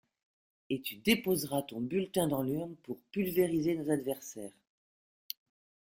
Et tu déposeras ton bulletin dans l'urne pour pulvériser nos adversaires.